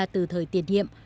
từ thời tiền điệm